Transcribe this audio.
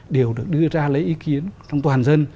đều được đưa ra lấy ý kiến trong toàn dân